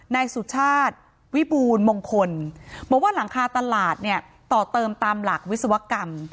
นายสุชาติวิบูรณ์มงคลบอกว่าหลังคาตลาดเนี่ยต่อเติมตามหลักวิศวกรรม